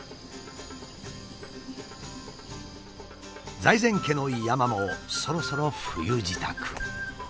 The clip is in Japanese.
財前家の山もそろそろ冬支度。